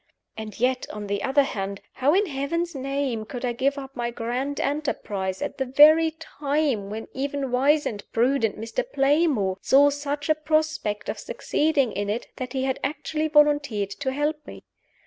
And yet, on the other hand, how in Heaven's name could I give up my grand enterprise at the very time when even wise and prudent Mr. Playmore saw such a prospect of succeeding in it that he had actually volunteered to help me?